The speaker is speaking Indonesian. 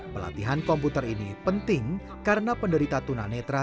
pelatihan komputer ini penting karena penderita tuna netra